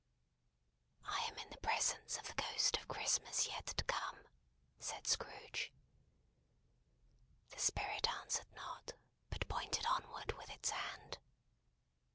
"I am in the presence of the Ghost of Christmas Yet To Come?" said Scrooge. The Spirit answered not, but pointed onward with its hand.